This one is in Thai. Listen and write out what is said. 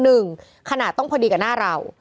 หนึ่งขนาดต้องพอดีกับหน้าเรา